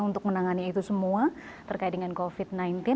untuk menangani itu semua terkait dengan covid sembilan belas